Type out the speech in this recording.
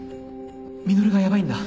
実がヤバいんだ。